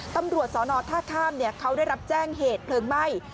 ตำรวจสอนอท่าข้ามเขาได้รับแจ้งเหตุเพลิงไหม้